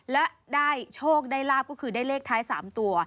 และได้โชคได้ลาบก็คือได้เลขท้าย๓ตัว